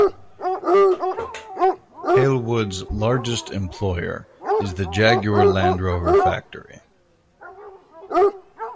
Halewood's largest employer is the Jaguar Land Rover factory.